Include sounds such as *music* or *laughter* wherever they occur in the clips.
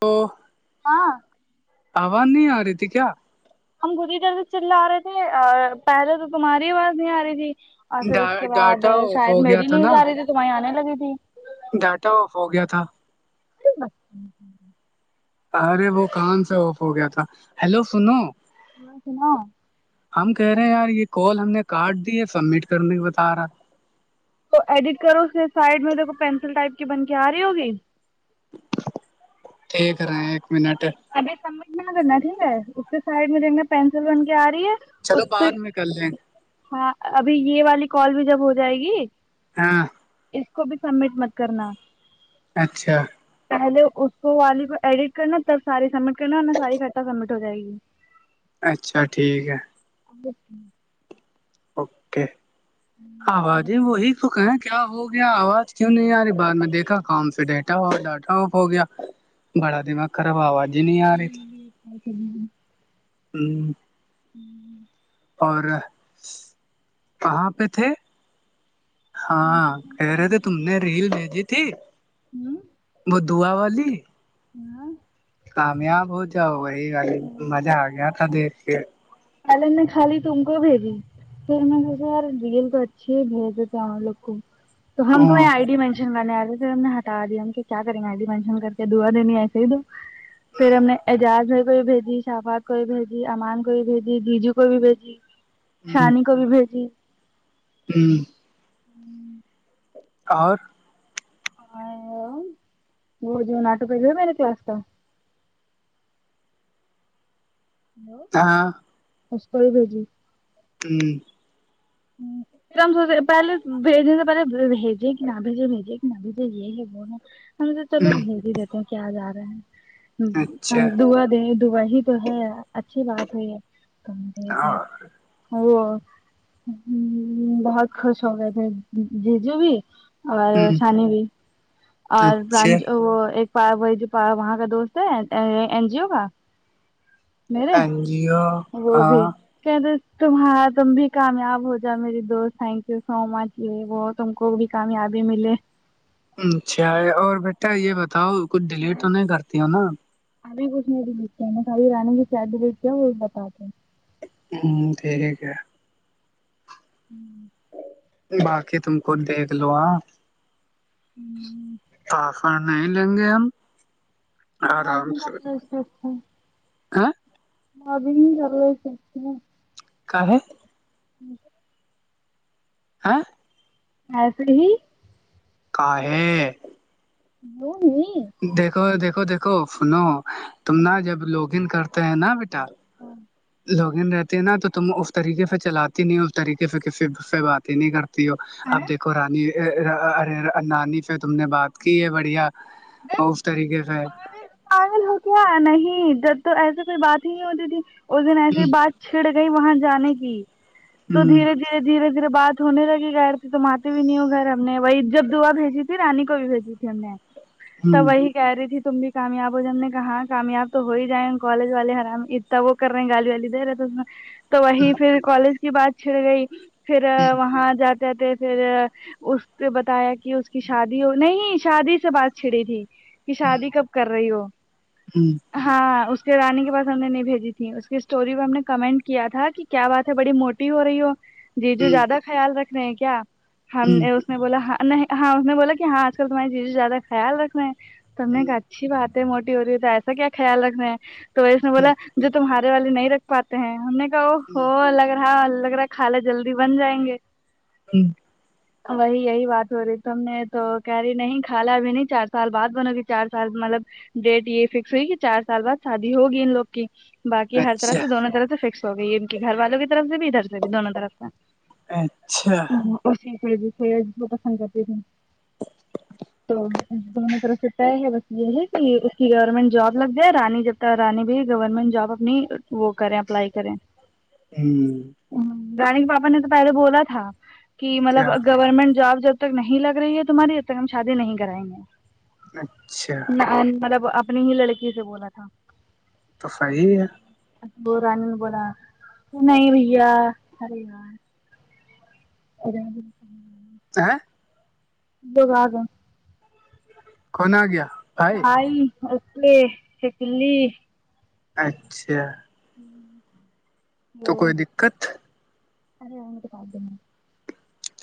دو ہاں آواز نہیں آ رہی تھی کیا ہم خی طھر سے چلا رہے تھے پہلے تو تمہاری آواز نہیں آ رہی تھی اور پھر اس ڈا- کے بعد ڈاٹا آف شاید ہو گیا میری تھا نہیں نا جا رہی تھی تمہیں آنے لگی تھی ڈاٹا آف ہو گیا تھا ہوںوں ارے وہ کہاں سے آف ہو گیا تھا ہیلو سنو بس ن ہم کہہ رہے ہیں یار یہ کال ہم نے کاارڈ دی ہے سبمٹ کرنے بتا رہا تو ایڈٹ کرو اس کے سائڈ میں دیکھ کو پینسل ٹائپ کی بن کے آ رہی ہوگی ٹ کر رہے ہیں ایک منٹ ابھی سبمٹ نہ کرنا ٹھیک ہے اس کے سائڈ میں جا پینسل بن کے آ رہی ہے چلو اس پہ بعد میں کر لیں ہاں ابھی یہ والی کال بھی جب ہو جائے گی ہاں اس کو بھی سبمٹ مت کرنا اچھا پہلے اس کو والی کو ایڈٹ کرنا تب ساری سبمٹ کرنا انا ساری خھٹا سبمٹ ہو جائے گی اچھا ٹھیک ہے اچھا اوکے آوازیں وہی تو کہیں کیا ہو گیا آواز کیوں نہیں آ رہی بع میں دیکھا کام سے ڈاٹا ہوف ڈاٹا آف ہو گیا بڑا دما خرب آواز ہی نہیں آ رہی پہلے تھی والی ایک کال چلی ہ ہوں اور کہاں پہ تھے ہاں کہہ رہے تھے تم نے ریل بھیجی تھی ہوں وہ دھو واللی ہوں کامیاب ہو جاؤ ووہی والی مزہ آ گیا تھا دیکھ کے پہلے نے خالی تم کو بھیجی س میں کہے ریل تو اچھی بھیج دی تھ ہمار لگ کو تو ہم تو ہ آئیڈ م لانے آے تھے ہم نے ہٹا دیا کہ کیا کریں گے ایھی مینشن کر کے دعا دن ہی ایسے ہی تو پھر ہم نے اعجاز بھائی کوئی بھیجی شافات کو بھیجی امان کو بھیجی جی دیجو کو بھی بھیجی سانی کو بھی بھیجی ہوں ہوں اور ہاں وہ دون آٹو پہ ج ہو میر نےے کلاس کا ہلو کہاں خسک بھیجی ہوں پ ہم سوچ پہلے بھیجنے سے پہلے بھیجے کہ نہ بھیجے بھیجے کہ نہ بھیجے یہ ہم چلو ہوں بھیج ہی دیتے ہیں کیا جا رہے ہیں اچھا ہم دعا دیں دعا ہی تو ہے اچھی بات ہے یہ تویا اور او ہ بہت خوش ہو گا تھ جیجو بھی اور ہوں سانی بھی اور بران اچھا وہ ایک ا وہاں کا دوست ہے این جی او کا میرے این جیو وہ بھی کہ د تمہار تم بھی کامیاب ہو جاؤ میری دوست تھینک یو سو مچ یہ بہت تم کو بھی کامیابی ملے اچھا اور بیٹا یہ بتاؤ کچھ ڈیلیےٹ تو نہیں کرتی ہو نا ابھی کچھ نہیں ڈلیٹتے میں کھی رانی کی شاید ڈلیٹ کیا وہ بھی بتے ہیں ہوں ٹھیک ہے کیا ہوں باقی تم کو دیکھ لو آ ہوں پفر نہیں لیں گے ہم مارنگ کا فریس دتے ہیں کہ اب بھی ہو س ن کا ہے ہوں آ ایسے ہی کہ ہو نہیں دیکھو دیکھو دیکھو سنو تم نا جب لوگن کرتے ہیں نا بی لو ل رہتے ہیں نا تو تم اس طریقے سے چلات نہیں ہو اس طریقے سے کسی سے بات ہی نہیں کرتی ہو اب دیکھو رانیرے نانی پ تم نے بات کی ہے بڑھیا اف طریقے سے آگل ہو کیا نہیں جب تو ایسے کوئی بات ہی نہیں ہوتی تھی اس دن ایسی ہوں بات چھڑ گئی وہاں جانے کی تو ہوں دھیرے دھیر دھیرے دھیرے بات ہونے لگی گیر تھی توم آتے بھی نہیں ہو گئے ہم نے وہی جب دعا بھیجی تھی پھر رانی کو بھیجی تے ہم نے تو ہوں وہی کہہ رہی تھی تم بھی کامیاب ہو ج ہم نے کہا کامیاب تو ہو ہی جائیں کالج والے حرام وہ کر رہے ہیں گالی والی دے رہے تھا میں تو وہی پھر کالج کی بات چھڑ گئی پھر وہاں جاتے آتے پھر اس نے بتایا کہ اس کی شادی ہو نہیں شادی سے بات چھڑی تھی کہ شادی کب کر رہی ہو ہاں اس کے رانی کے پاس ہم نے نہیں بھیجی تھی اس کی اسٹوری میں ہم نے کمنٹ کیا تھا کہ کیا بات ہے بڑی موٹی ہو رہی ہو جی جو ہوں زیادہ خیال رکھ رہے ہیں کیا ہم ہوں نے اس نے بولا ہاں نہیں ہاں اس نے بولا کہ ہاں آج کل تمہاری چیزیں زیادہ خیال رکھے ہیں تم کہ اچھی بات ہے موٹی ہو رہی ہو تو ایسا کیا خیال رکھنا ہے تو ویس نے بولا جو تمہارے والے نہیں رکھ پاتا ہم نے کہا وہ ہو لگ رہا لگ رہا ہے کالا جلدی بن جائیں گے جی وہی یہی بات ہو رہی تم نے تو کری نہیں کاا بھی نہیں چار سال بعد بنو گ چار سال مطلب ڈیٹ یہ فکس ہوئی کہ چار سال بعد شادی ہوگی ان لوگ کی باقی ہر طرح اچھا سے دونوں طرف سے فکس ہو گئی ہے ان کی گھر والوں کی طرف سے بھی ادھر سے بھی دونوں طرف سے اچھا اور پسند کرتی تھی تو دونوں طرف سے طے ہے بس یہ ہے کہ اس کی گورنمنٹ جاب لگ جائے رانی جب ت رانی بھی گورنمنٹ جاب نی وہ کریں اپلائی کریں ہوں رانی کے پاپا نے تو پہلے بولا تھا کہ مطلب کیا گورنمنٹ جاب جب ب تک نہیں لگ رہی ہے تمہاری اب تک ہم شادی نہیں کرائیں گے اچھا مطلب اپنی ہی لڑکی سے بولا تھا تو صحیح ہے ب رانی بول نہیں بیار اور کہ اگ آگا کون آ گیا بھائی آائی اسے شکلی اچھا ا تو کوئی دقت ارے اگ پپ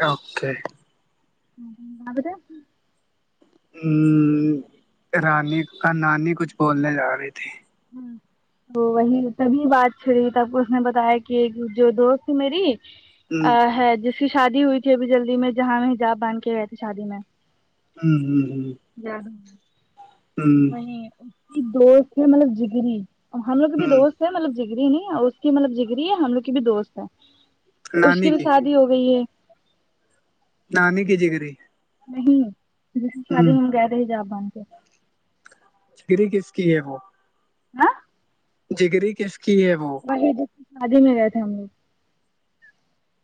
اوکے ہ آاب تو ہ رانی کا نانی کچھ بولنے جا رہی تھی ہ وہ وہی تبھی بات چھڑی تب کو اس نے بتایا کہ ایک جو دوست تھی میری ہ ا ہے جس کی شادی ہوئی تھی ابھی جلدی میں جہاں میں حجاب باند کے گئے تھے شادی میں ہوں ہوں ہ جیا ہ ہ وہ ہ اس کی دوست ہے مطلب جگری اور ہم لوگ کا بھی ہ دوست مطلب جگری نہیں اس کی مطلب جگری ہے ہم لوگ کی بھی دوست ہے تو اس کی بھی ساتھ ہو گئی ہے نہانے کی جگری نہیں جیسے شادی ہ گئے رہے حجاب بن کے چکری کس کی ہے وہ ہاں جگری کس کی ہے وہ وہ ج کی شادی میں گئے تھے ہم لوگ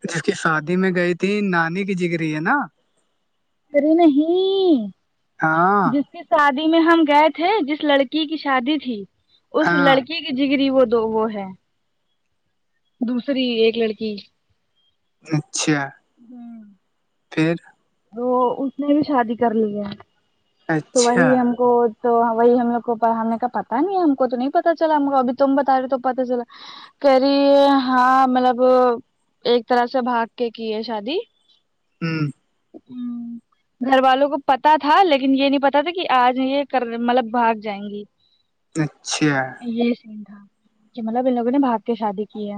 جس کی شادی میں گئی تھی نانی کی جگری ہے نا ارے نہیں ہاں جس شادی میں ہم گئے تھے جس لڑکی کی شادی تھی اس ہاں لڑکی ٹھیک جگری وہ دو وہ ہے دوسری ایک لڑکی اچھا ہممم پھر تو اس نے بھی شادی کر لی ہے تو اچھا وہی ہم کو تو وہی ہم لوگ کو ہم نے کا پتاہ نہیں ہے ہم کو تو نہیں پتا چلا ہم کو ابھی تم بتا رہے تو پتا چلا کری ہے ہاں مطلب ایک طرح سے بھاگ کے کی ہے شادی ہمم ہ گھر والوں کو پتا تھا لیکن یہ نہیں پتا تھا کہ آج یہ کر مطلب بھاگ جائیں گی اچھا یہ سین تھا کہ مطلب ان لوگوں نے بھاگ کے شادی کی ہے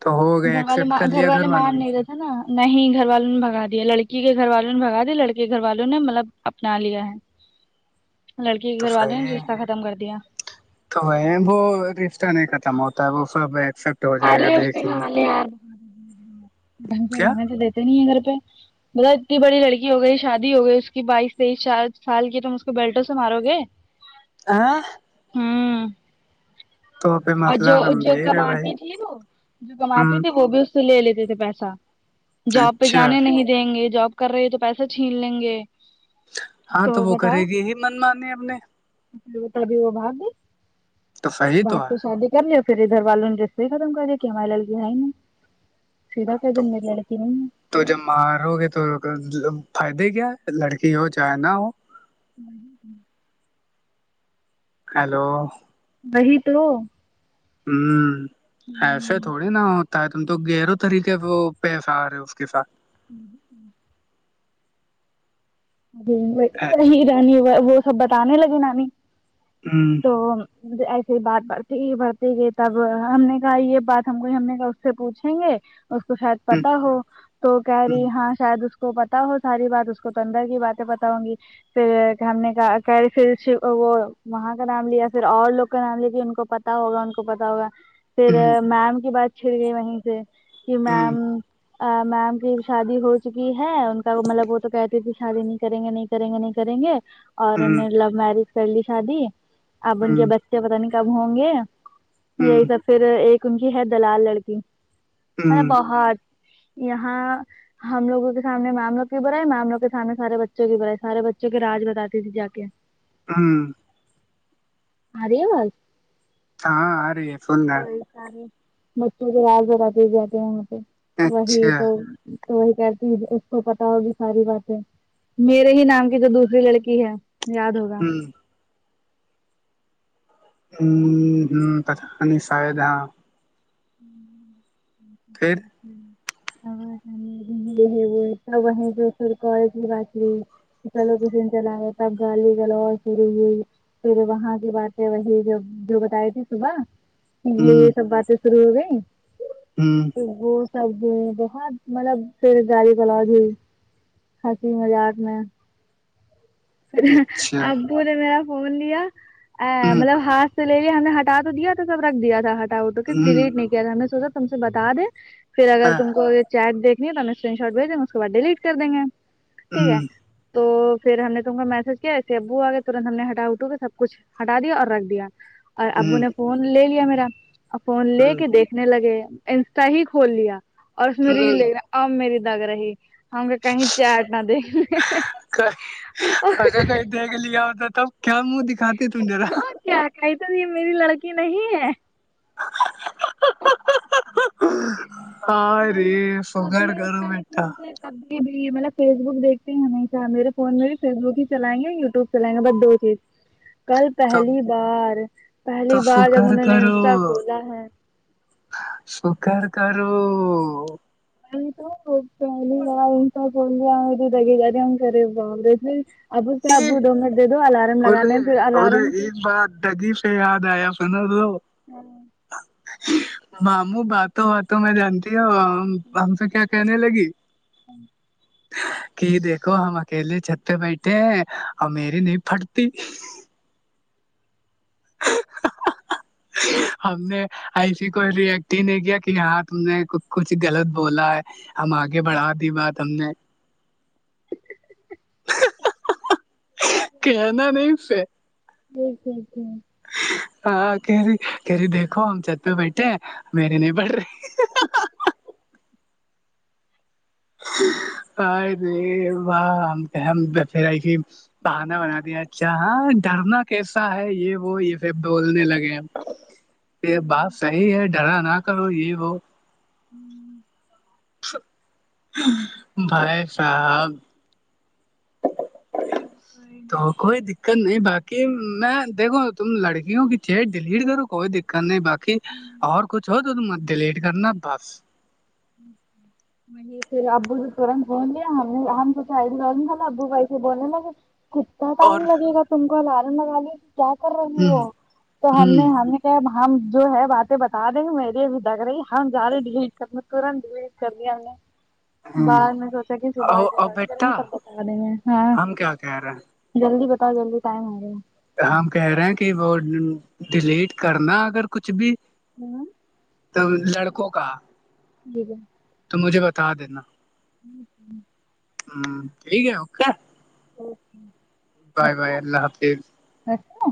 تو ہو گیا گھر والے ایکسپٹ کر گھر لیا والے والوں مان نے نہیں رہتے ہے نا نہیں گھر والوں نے بھگا دیا لڑکی کے گھر والوں نے بگا دیا لڑکے کے گھر والوں نے مطلب اپنا لیا ہے لڑکی کے تو گھر صحیح والوں نے ہے۔ رستتا ختم کر دیا تو وہ وہ رشتہ نہیں ختم ہوتا ہے وہ سب ایکسپٹ ہو جائے گا دیکھ لینا ڈھنگ کیا رہنے تو دیتے نہیں ہے گھر پہ مطلب اتنی بڑی لڑکی ہو گئی شادی ہو گئی اس کی بائیس تیئیس چار سال کی تم اس کو بیلٹوں سے مارو گے آہہ ہوں پہ اور مسئلہ جو جو گمبھیر کا ہے ت بھائی وہ جو کماتی ہوں تھی وہ بھی اس سے لے لیتے تھے پیسہ جاب پہ اچھا جانے نہیں دیں گے جاب کر رہی تو پیسہ چھین لیں گے ہاں تو وہ کرے گی ہی من مانے اپ نے لوکل بھی وہ بھاگ گئی تو صحیح اب آات ہے تو شادی کر ل پھر ادھر والوں نے جسے ہی ختم کر دیا کہ ہمارے لل کے بائی سیدھا کہہ دیا تو کہ میری لڑکی نہیں تو جب مارو گے تو فائدے کیا لڑکی ہو چاہے نہ ہو ہمم ہمم ہیلو وہی تو ہممم ایسے تھوڑی نہا ہو تا تم تو گہرو طریقے سے وہ پیسہ آ رہا ہے اس کے ساتھ ہمم ہمم جی ہ وہی رانی وہ سب بتانے لگے نانی ہمم تو ایسے ہی بات بڑھتی بڑھتی گ تب ہم نے کہا یہ بات ہم کو ہم نے اس سے پوچھیں گے اس کو شاید ہ ہ پتا ہو تو کہہ ہ رہی ہاں شاید اس کو پتا ہو ساری بات اس کو تو اندر باتیں بتاؤں گی پھر ہم نے کہ کہ وہ وہاں کا نام لیا پھر اور لوگ کا نام ل کہ ان کو پتا پ ہوگا ان کو پتا ہوگا پھر میم کی بات چھڑ گئی وہیں سے کہ ہ میم ا میم کی شادی ہو چکی ہے ان کا مطلب وہ تو کہتی تھی شادی نہیں کریں گے نہیں کریں گے نہیں کریں گے اور نے لو میرج کر لی شادی اب ان کے بچے پت نہیں کب ہوں گے یہی سب پھر ایک ان کی ہے دلال لڑکی ہ مطلب ہ بہت یہاں ہم لوگوں کے سامنے معاملوں کی بھرا ہے معاملوں کے سانے سارے بچوں کی بائی سارے بچوں کے رج بتاتی تھی جا کے ہوں ارے واز ہاں آ رہی ہے فن رہ سارے مچور آگے جاتے ہیں وہ پہ وہی اچھا تو تو وہی کرتی اس کو پتا ہوگی ساری باتیں میرے ہی نام کی جو دوسری لڑکی ہے یاد ہوگی ہوں ہ ہ تت شائےیدہاں ہوں پھر گ رہ ہوئے تب وہ جو کالج کی بات چلو ک سن چلگےتاب گال گو چری گی پھر وہاں کی بات سے وہی جو بتائی تھی صبح بجے سب بات سرو ہو گ ہوں وہ سب بہت مطلب فیر گاری کولا گئی ہنسی مزاق میں اچھا ابو نے میرا فون لیا ا ہ مطلب ہاتھ سلیرییا ہم نے ہٹا تو دیا تھا سب رکھ دیا تھا ہٹاوٹوک ہ ڈلیٹ نہیں کیا تھا ہم نے سوچا تم سے بتا دیں پھر اگر ہاں تم کو یہ چیٹ دیکھنی ہے تو ہم اسکرین شاٹ بھیج دیں گے اس کے بعد ڈیلیٹ کر دیں گے ہ ٹھیک ہے تو پھر ہم نے تم کا میسج کیا ایسے ابو آگ کے ترنت ہم نے ہٹا اٹو گے سب کچھ ہٹا دیا اور رکھ دیا اور ابو نے فون لے لیا میرا اور فون لے کے دیکھنے لگے انسٹا ہی کھول لیا اور اس میں ریل ہ لے اب میری دگ رہی ہ گ کیں چاٹ نہ د ہ کہیں دیکھ لیا ہوتا تب کیا منہ دکھاتی ت ذرا اور کیا کہی ت ت یہ میری لڑکی نہیں ہے ہ رے فگار گھر بیٹا ابھی بھی مطلب فیس بک دیکھتے ہیں ہمیشہ میرے فون میں بھی فیس بک ہی چلیں گے یوٹیوب چلیں گے بس دو چیز *inaudible* کل تو پہلی بار پہلی تو بار جب فکر انہوں نے انسٹا کھولا ہے سکار کرار یہ تو ہو پے گ س بول جگے جااری ہم کر ہم ابو سے ابو د م دے دو الارم لگانے ارے پھر الارم ارے ایک بات دگی پ یاد آیا سنا تو ہوں ماموں ب تو ب تو میں جانتی ہوں ہم سے کیا کہنے لگی ہاں کہ دیکھو ہم اکیلے چھت پہ بیٹھے ہیں اور میری نہیں پھٹتی ہم نے ایسیے کوئی ریئٹ ہی نہیں کیا کہ ہاں تم نے کچھ غلط بولا ہے ہم آگے بڑھا دی بات ہم نے کہنا نہیں سے ٹھیک ٹھیک ہاں کہری کہری دیکھو ہم چھت پہ بیٹھے ہیں میرے نہیں پڑھ رہی *inaudible* ا ر واہ ہم کہ ہم پر کہ *unintelligible* بہانا بنا دیا اچھا ہاں ڈرنا کیسا ہے یہ وہ یہ پھر بولنے لگے یہ بات صحیح ہے ڈرا نہ کرو یہ وہ ہوں *unintelligible* بھائی صاحب ہوں تو کوئی دقت نہیں باقی میں دیکھو تم لڑکیوں کی چیٹ ڈیلیٹ کرو کوئی دقت نہیں باقی کہ اور کچھ ہو تو ت ڈلیٹ کرنا بس وہ پھر ابو تورنت بھون لیا ہم نے ہم تو چ لا ابو ویسے بولنے لگے کتنا اور ٹائم لگے گا تم کو لالم لگا لی کہ کیا کر رہے ہیں ہوں وہ تو ہم ہوں نے ہمیں ب ہم جو ہے باتیں بتا دیں گے میرریے بھی دگ رہی ہم زدے ڈیلیٹ کرنے ترنت بھی کریا ان نے ہوں بعد میں سوچا کہ صبح اور کریں بیٹا گےب کے میں ہاں ہم کیا کہہ رہے جلدی بتاؤ جلدی ٹائم ہوگ گا ہم کہہ رہے ہیں کہ وہ ڈیلیٹ کرنا اگر کچھ بھی ہوں *unintelligible* لڑکوں کا جییکی *unintelligible* تو مجھے بتا دینا جی ہ ٹھیک ہے اوکے ہے بائے بائے اللہ حافظ دھ *unintelligible*